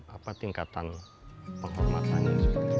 apa tingkatan penghormatannya